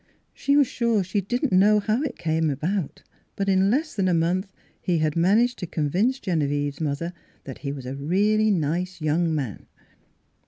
She was sure she didn't know how it ever came about ; but in less than a month he had managed to convince Genevieve's mother that he was a " real nice young man."